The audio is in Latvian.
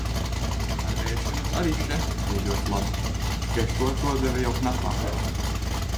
Ar ēšanu arī še bija ļoti labi, tikai šo to deva jau knapāk.